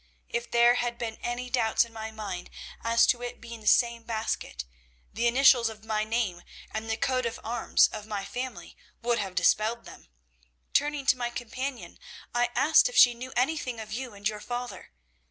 If there had been any doubts in my mind as to it being the same basket, the initials of my name and the coat of arms of my family would have dispelled them. Turning to my companion, I asked if she knew anything of you and your father.